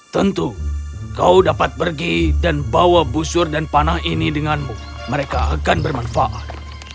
tentu kau dapat pergi dan bawa busur dan panah ini denganmu mereka akan bermanfaat